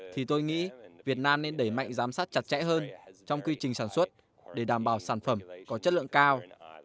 thì tôi nghĩ việt nam nên đẩy mạnh giám sát chặt chẽ hơn trong quy trình sản xuất để đảm bảo sản phẩm có chất lượng cao